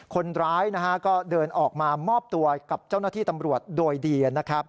คนร้ายก็เดินออกมามอบตัวกับเจ้าหน้าที่ตำรวจโดยเดียน